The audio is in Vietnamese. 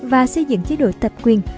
và xây dựng chế đội tập quyền